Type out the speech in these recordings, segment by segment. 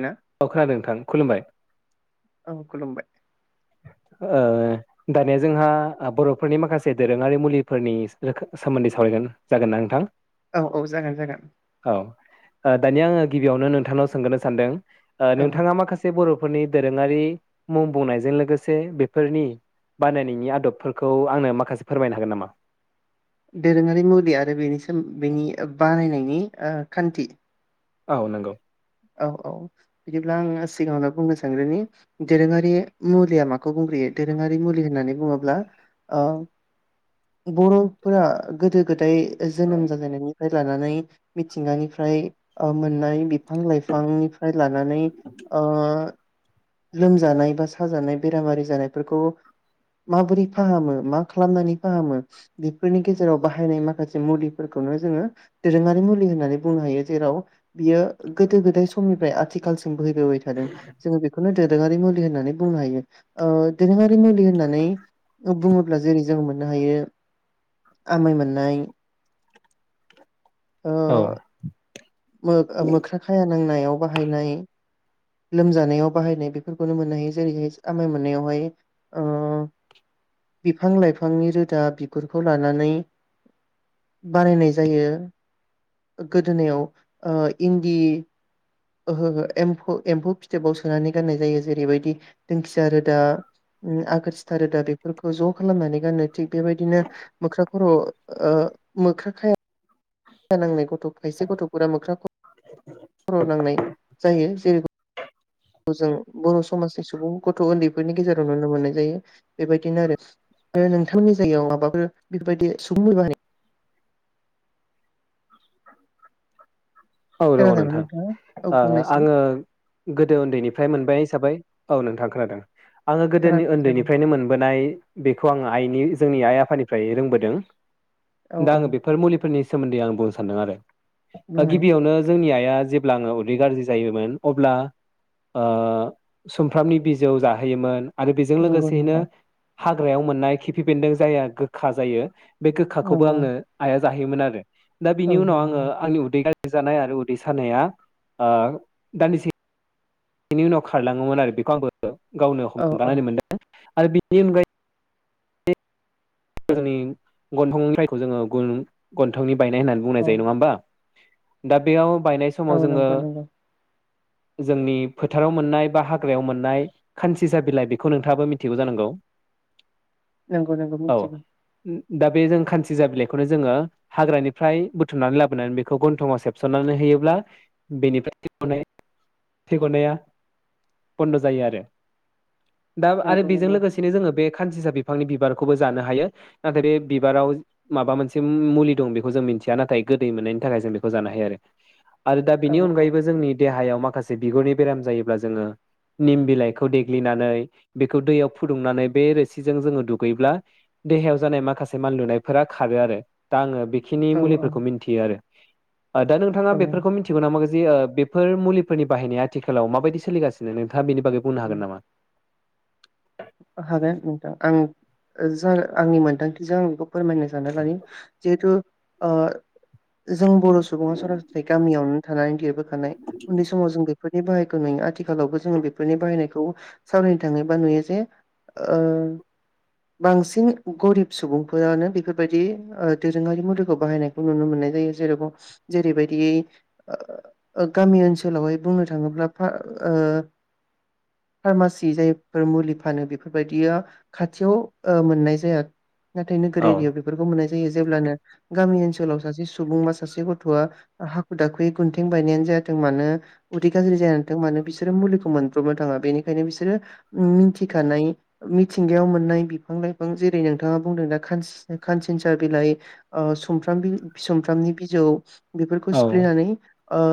ना औ खोनादों नोंथां खुलुमबाय। औ खुलुमबाय। ओ दानिया जोंहा ओ बर'फोरनि माखासे दोरोङारि मुलिफोरनि रोखो सोमोन्दै सावरायगोन जागोन ना नोंथां? औ औ जागोन जागोन। औ ओ दानिया आङो गिबियावनो नोंथांनाव सोंग्रोनो सानदों। ओ औ नोंथाङा माखासे बर' फोरनि दोरोङारि मुं बुंनायजों लोगोस से बेफोरनि बानायनायनि आदबफोरखौ आंनो माखासे फोरमायनो हागोन नामा? दोरोङारि मुलि आरो बेनि सोम बेनि ओ बानायनायनि नि ओ खान्थि औ नंगौ। औ औ बिदिब्ला आंङो सिगाङावनो बुंनो सानग्रोनि दोरोङारि मुलिया माखौ बुंग्रोयो दोरोङारि मुलि होननानै बुङोब्ला ओ बर'फोरा गोदो गोदाय जोनोम जालायनायनिफ्राय लानानै मिथिंगानिफ्राय ओ मोननाय बिफ फां लाइफांनिफ्राय लानानै ओ लोमजानाय बा साजानाय बेरामारि जानायफोरखौ माबोरै फाहामो मा खालामनानै फाहामो बेफोरनि गेजेराव बाहायनाय माखासे मुलिफोरखौनो जोङो दोरोङारि मुलि होननानै बुंनो हायो जेराव बियो गोदो गोदाय समनिफ्राय आथिखालसि सिम बोहैबोबाय थादों जोङ बेखौनो दोरोङारि मुलि होननानै बुंनो हायो ओ दोरोङारि मुलि होननानै ओ बुङोब्ला जेरै जों मोननो हायो आमाय मोननाय ओ औ याव बाहायनाय लोमजानायाव बाहायनाय बेफोर मोननो हायो जेरैहाय आमाइ मोननायावहाय ओ बिफां लाइफांनि रोदा बिगुरखौ लानानै बानायनाय जायो। गोदोनायाव ओ इन्दि ओहो हो एम्फौ एम्फौ फिथोबाव सोनानै गाननाय जायो जेरैबायदि दोंखिया रोदा ओ आगोर सिथा रोदा बेफोरखौ ज' खालामनानै गानो थिग बेबायदिनो मोख्रा खर' ओ मोख्राखाया खाया नांनाय गथ' खायसे गथ'फोरा मोख्राखौ खर' नांनाय जायो जेरै बो जों बर' समाजनि सुबुं गथ' उन्दैफोरनि गेजेराव नुनो मोननाय जायो बेबायदिनो आरो नोंथांनि जायगायाव माबाफोर बेफोरबायदि सुबुंनि बारि [inaudible] औ दङ खोनादोंमोन नोंथां नोंथाङा? औ ओ बुंनायसाय आङो गोदो उन्दैनिफ्राय मोनबाय हिसाबै औ नोंथां खोनादों। आङो गोदोनि खोनादों ओन्दैनिफ्रायनो मोनबोनाय बेखौ आङो आइनि जोंनि आइ आफानिफ्राय रोंबोदों। औ दा औ आङो बेफोर मुलिफोरनि सोमोन्दै आं बुंनो सानदों आरो। [unintelligible] खौनो जोंनि आइआ जेब्ला आङो उदै गाज्रि जायोमोन अब्ला ओ सुमफ्रामनि बिजौ जाहोयोमोन। आरो बेजों नंगौ लोगोसेयैनो नंगौ हाग्रायाव मोननाय खिफि बेन्दों जाया गोखा जायो बे गोखाखौबो नंगौ आंनो आइया जाहैयोमोन आरो। दा औ बिनि उनाव आङो नंगौ आंनि उदै गाज जानाय आरो उदै सानाया ओ दान्दिसे बिनि उनाव खारलाङोमोन आरो बेखौ आंबो गावनो औ औ हमदांनानै मोनदों। आरो बेनि अनगायै जोंनि गन्थंनिफ्रायखौ जोङो गुन गन्थंनि बायनाय होननानै औ बुंनाय जायो नङा होमबा। दा बेयाव बायनाय औ समाव जोङो नंगौ नंगौ जोंनि फोथाराव मोननाय बा हाग्रायाव मोननाय खानसिसा बिलाइ बेखौ नोंथाङाबो मिथिगौ जानांगौ। नोंग औ नंगौ मिथिगौ। दा बे जों खानसि जा बिलाइखौनो जोङो हाग्रानिफ्राय बुथुमनानै लाबोनानै बेखौ गन्थंआव सेबसननानै होयोब्ला बेनिफ्राय [unintelligible] थै गनाया बन्द' जायो आरो। दा आरो नंगौ बेजों नंगौ लोगोसेनो जोङो बे खानसिसा बिफांनि बिबार खौबो जानो हायो नाथाय बे बिबाराव माबा मोनसे मुलि दं बेखौ जों मिथिया नाथाय गोदै मोननायनि थाखाय जों बेखौ जानो हायो आरो। आरो दा औ बेनि औ अनगायैबो जोंनि देहायाव माखासे बिगुरनि बेराम जायोब्ला जोङो निम बिलाइखौ देग्लिनानै बेखौ दैयाव फुदुंनानै बे रोसिजों जोङो दु गैब्ला देहायाव जानाय माखासे मानलुनायफोरा खारो आरो। दा आङो बेखिनि औ औ मुलिफोरखौ मिन्थियो आरो। ओ दा औ नोंथाङा बेफोरखौ मिथिगौ नामा जे ओ बेफोर मुलिफोरनि बाहायनाया आथिखालाव माबायदि सोलिगासिनो नोंथ थांआ बेनि बागै बुंनो उम हागोन नामा? हागोन नोंथां आं जो आंनि मोन्दांथिजों आं बेखौ फोरमायनो साननानै लानि जिहेथु ओ जों बर' सुबुङा सरासनस्रायै गामियावनो थानानै देरबो खानाय उन्दै समाव जों बिख फोरनि बाहायखौ नुयो आथिखालावबो जोङो बेफोरनि बाहायनायखौ सावरायनो थाङोबा नुयो जे ओ बांसिन गरिब सुबुंफोरानो बेफोरबायदि दोरोङारि मुलिखौ बाहायनायखौ नुनो मोननाय जायो जेरैब जेरैबायदि गामि ओनसोलावहाय बुंनो थाङोब्ला ओ फार्मासि जायफोर मुलि फानो बेफोरबायदिया खाथियाव ओ मोननाय जाया। नाथायनोगोर औ एरियाव बेफोरखौ मोननाय जायो जेब्लानो गामि ओनसोलाव सासे सुबुं बा सासे गथआ हाखु दाखुयै गुन्थें बायनायानो जायाथों मानो उदै गाज्रि जायान्थों मानो बिसोरो मुलिखौ मोनब्रबनो थाङा बेनिखायनो बिसोरो ओम मिथिखानाय मिथिंगायाव मोननाय बिफां लाइफां जेरै नोंथाङा बुंदों दा खानसिसा खानसिनसा बिलाइ आ सुमफ्राम-सुमफ्रामनि बिजौ बेफोरखौ औ सिफ्लेनानै ओ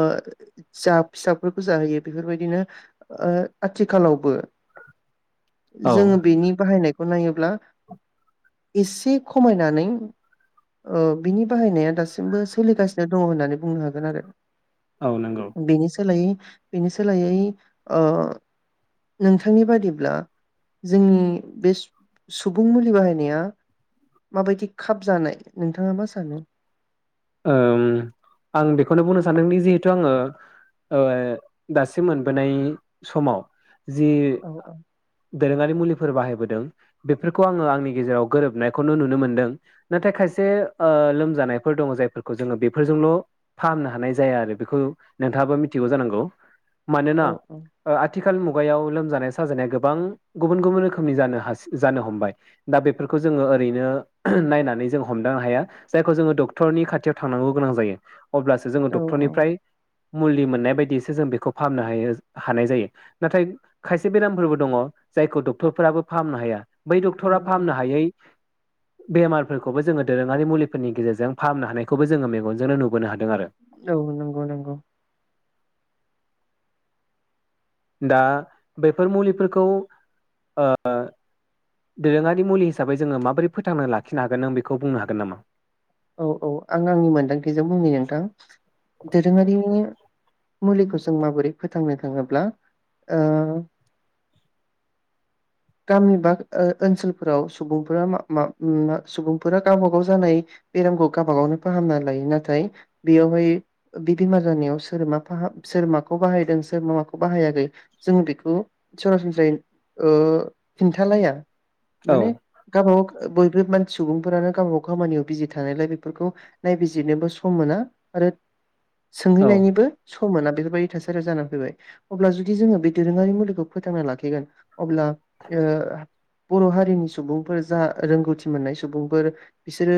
जा फिसाफोरखौ जाहैयो बेफोरबायदिनो आथिखालावबो औ जोङो बेनि बाहायनाय खौ नायोब्ला एसे खमायनानै अओ बिनि बाहायनाया दासिमबो सोलिगासिनो दङ होननानै बुंनो हागोन आरो। औ नंगौ बेनि सोलायै बेनि सोलायै ओ नोंथांनि बादिब्ला जोंनि बे सुबुं मुलि बाहायनाया माबायदि खाब जानाय नोंथाङा मा सानो ओम आं बेखौनो बुंनो सान्दोंदि जिहेथु ओ ऐ दासिम मोनबोनाय समाव जि औ औ दोरोङारि मुलि फोर बाहायबोदों बेफोरखौ आङो आंनि गेजेराव गोरोबनायखौनो नुनो मोनदों नाथाय खायसे ओ लोमजानायफोर दङ जाय फोरखौ जोङो बेफोरजोंल फाहामनो हानाय जाया आरो बेखौ नोंथाङाबो मिथिगौ जानांगौ मानोना औ ओ आथि आथिखाल मुगायाव लोमजानाय साजानाया गोबां गुबुन गुबुन रोखोमनि जानो हासि जानो हमबाय दा बेफोरखौ जोङो ओरैनो नायनानै जों हमदां हाया जायखौ जोङो डक्टरनि खाथि थियाव थांनांगौ गोनां जायो अब्लासो जोङो औ औ डक्टरनिफ्राय मुलि मोननाय बायदियैसो जों बेखौ फाहामनो हायो हानाय जायो नाथाय खायसे बेरामफोरबो दङ जायखौ डक्टरफोराबो फाहामनो हाया बै डक्टरा नंगौ फाहामनो हायै बेमारफोरखौबो जोङो दोरोङारि मुलिफोरनि गेजेरजों फाहामनो हानाय खौबो जोङो मेगनजों नुबोनो हादों औ नंगौ नंगौ दा बेफोर मुलिफोरखौ ओ दोरोङारि मुलि हिसाबै जोङो माबोरै फोथांना लाखिनो हागोन नों बेखौ बुंनो हागोन नामा औ औ आं आंनि मोनदांथिजों बुंनि नोंथां दोरोङारिनि मुलिखौ जों माबोरै फोथांनो थाङोब्ला ओ गामि बा ओ ओनसोलफोराव सुबुंफोरा मा मा सुबुंफोरा गावबा गाव जानाय बेरामखौ गावबा गावनो फाहामना लायो नाथाय बेयावहाय बे बेमार जानायाव सोर मा फाहा सोर माखौ बाहायदों सोर मा माखौ बाहायाखै जों बेखौ सरासनस्रायै ओ खिन्थालाया औ माने गाबागाव बयबो मानसि सुबुंफोरानो गाव गाव खामानियाव बिजि थानायलाय बेफोरखौ नायबिजिरनोबो सम मोना आरो औ सोंहैनायनिबो सम मोना बेफोरबायदि थासारिया जानानै फैबाय अब्ला जुदि जोङो बे दोरोङारि मुलिखौ फोथांना लाखिगोन अब्ला ओ बर हारिनि सुबुंफोर जा रोंगौथि मोननाय सुबुंफोर बिसोरो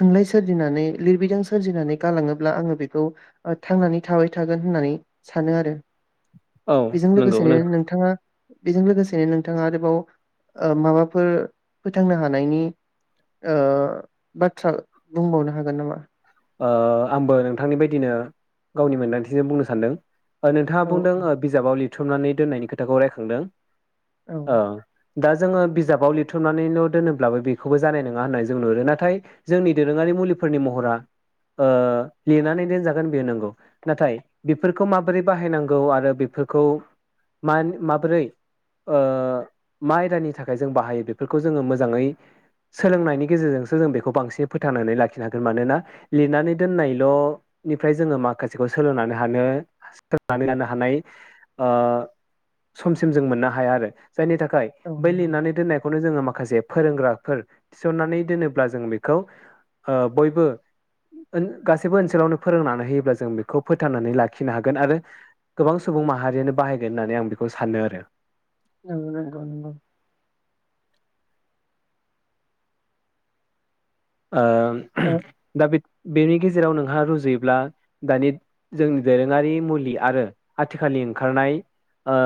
थुनलाइ सोरजिनानै लिरबिदां सोरजिनानै गालाङोब्ला आङो बेखौ थांनानै थाबाय थागोन होननानै सानो आरो औ बेजों नंगौ लोगोसेनो नों नोंथाङा बेजों लोगोसे ए नोंथाङा आरोबाव ओ माबाफोर फोथांनो हानायनि ओ बाथ्रा बुंबावनो हागोन नामा ओ आंबो नोंथांनि बादिनो गावनि मोनदांथिजों बुंनो सानदों ओ नोंथाङा ओ औ बुंदों बिजाबाव लिर बुथुमनानै दोननायनि खोथाखौ रायखांदों औ ओं दा जोङो बिजाबाव लिरथुमनानैल' दोनोब्लाबो बेखौबो जानाय नङा होननाय जों नुुहरो नाथाय जोंनि दोरोङारि मुलिफोरनि महरा ओ लिरनानै दोनजागोन बे नंगौ नाथाय बेफोरखौ माबोरै बाहायनांगौ आरो बेफोरखौ मानि माबोरै ओ मा आयदानि थाखाय जों बाहायो बेफोरखौ जोङो मोजाङै सोलोंनायनि गेजेरजोंसो जों बेखौ बांसिनै फोथांनानै लाखिनो हागोन मानोना लिरनानै दोननायल' निफ्राय जोङो माखासेखौ सोलोंनानै हानो सोलनानै लानो हानाय ओ समसिम जों मोननो हाया आरो जायनि थाखाय औ बै लिरनानै दोननायखौनो जोङो माखासे फोरोंग्राफोर थिसननानै दोनोब्ला जों बेखौ ओ बयबो गासैबो ओनसोलावनो फोरोंनानै होयोब्ला जों बेखौ फोथांनानै लाखिनो हागोन आरो गोबां सुबुं माहारियानो बाहायगोन होननानै आं बेखौ सानो आरो औ नंगौ नंगौ। ओ ओ दा बि बेनि गेजेराव नोंहा रुजुयोब्ला दानि जोंनि दोरोङारि मुलि आरो आथिखालनि ओंखारनाय ओ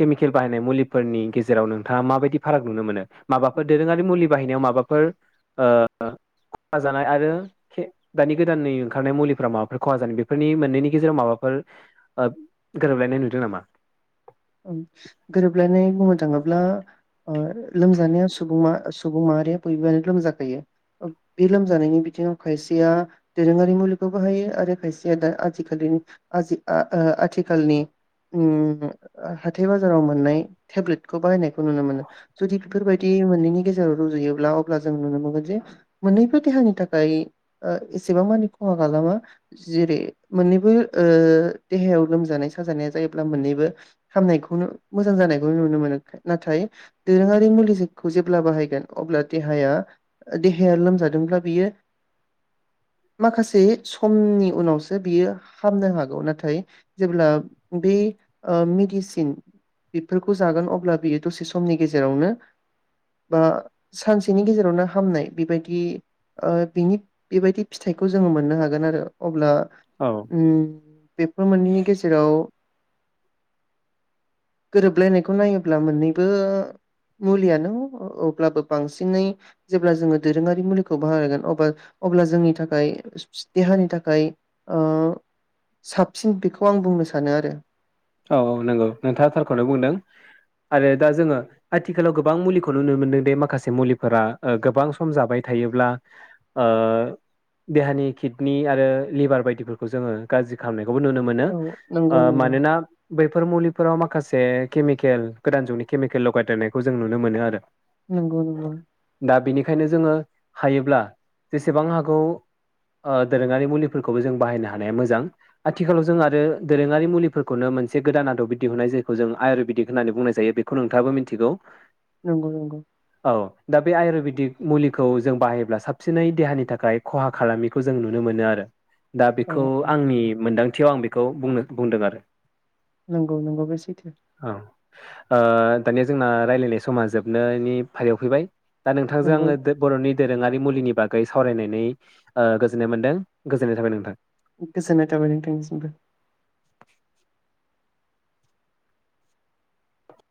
केमिकेल बाहायनाय मुलिफोरनि गेजेराव नोंथाङा माबायदि फाराग नुनो मोनो? माबाफोर दोरोङारि मुलि बाहायनायाव माबाफोर ओ ओ खहा जानाय आरो खे दानि गोदाननि ओंखारनाय मुलिफोरा माबाफोर खहा जानाय बेफोरनि मोननैनि गेजेराव माबाफोर ओ गोरोबलायनाय नुदों नामा? ओं गोरोबलायनाय बुंनो थाङोब्ला ओ लोमजानाया सुबुंमा-सुबुं माहारिया बयबोआनो लोमजाखायो। बे लोमजानायनि बिथिङाव खायसेया दोरोङारि मुलिखौ बाहायो आरो खायसेया दा आथिखालि ओ आजि आथिखालनि उम ओ हाथाय बाजाराव मोननाय टेब्लेटखौ बाहायनायखौ नुनो मोनो। जुदि बेफोरबायदि मोननैनि गेजेराव रुजुयोब्ला अब्ला जों नुनो मोनगोन जे मोन्नैबो देहानि थाखाय ओ एसेबां मानि खहा खालामा जेरै मोननैबो ओ देहायाव लोमजानाय साजानाया जायोब्ला मोननैबो हामनायखौनो मोजां जानायखौ नुनो मोनो । नाथाय दोरोङारि मुलिखौ जेब्ला बाहायगोन अब्ला देहाया देहाया लोमजादोंब्ला बियो माखासे समनि उनावसो बियो हामनो हागौ । नाथाय जेब्ला बे ओ मिडि सिन बेफोरखौ जागोन अब्ला बियो दसे समनि गेजेरावनो बा सानसेनि गेजेरावनो हामनाय बेबायदि ओ बिनि बेबायदि फिथाइखौ जोङो मोननो हागोन आरो अब्ला औ उम बेफोर मोननैनि गेजेराव गोरोबलायनायखौ नायोब्ला मोननैबो मुलियानो अब्लाबो बांसिनै जेब्ला जोङो दोरोङारि मुलिखौ बाहायगोन अबा अब्ला जोंनि थाखाय देहानि थाखाय ओ साबसिन बेखौ आं बुंनो सानो आरो। औ औ नंगौ नोंथाङा थारखौनो बुंदों आरो दा जोङो आथिखालाव गोबां मुलिखौ नुनो मोनदों दि माखासे मुलिफोरा ओ गोबां सम जाबाय थायोब्ला ओ देहानि किडनि आरो लिभार बायदिफोरखौ जोङो गाज्रि खालामनाय खौबो नुनो मोनो औ । नंगौ ओ नंगौ मानोना बेफोर मुलिफोराव माखासे केमिकेल गोदान जुगनि केमिकेल लगायदेरनायखौ जों नुनो मोनो आरो। नंगौ नंगौ। खायनो जोङो हायोब्ला जेसेबां हागौ ओ दोरोङारि मुलिफोरखौबो जों बाहायनो हानाया मोजां। आथिखालाव जों आरो दोरोङारि मुलिफोरखौनो मोन से गोदान आदबै दिहुनाय जायखौ जों आयुरवेदिक होननानै बुंनाय जायो बेखौ नोंथाङाबो मिथिगौ। नंगौ नंगौ औ दा बे आयुरवेदिक मुलिखौ जों बाहायोब्ला साबसिनै देहानि थाखाय खहा खालामैखौ जों नुनो मोनो आरो। दा औ बेखौ औ आंनि मोनदां थियाव आं बेखौ बुंनो बुंदों आरो। नंगौ नंगौ बे सैथो। औ ओ दानिया जोंना रायलायनाय समा जोबनायनि फारियाव फैबाय। दा नोंथांजों नंगौ आङो दो बर'नि दोरोङारि मुलिनि बागै सावरायनानै गोजोननाय मोनदों गोजोननाय थाबाय नोंथां। गोजोननाय थाबाय नोंथांनिसिमबो।